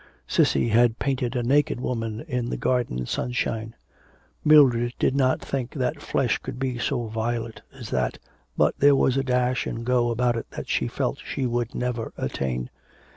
Cissy had painted a naked woman in the garden sunshine. Mildred did not think that flesh could be so violet as that, but there was a dash and go about it that she felt she would never attain.